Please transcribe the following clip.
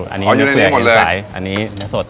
อันนี้เนื้อเปื่อยเอ็นไสอันนี้เนื้อสด